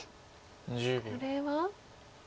これは？